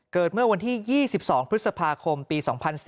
เกิดเมื่อวันที่๒๒พฤษภาคมปี๒๔